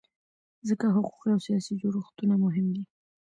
ځکه حقوقي او سیاسي جوړښتونه مهم دي.